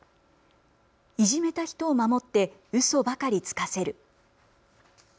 いじめた人を守ってウソばかりつかせる。